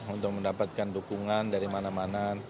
untuk mendapatkan dukungan dari mana mana